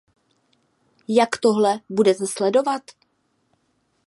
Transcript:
Jak tohle budete sledovat?